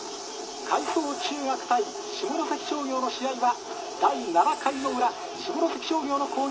海草中学対下関商業の試合は第７回の裏下関商業の攻撃です。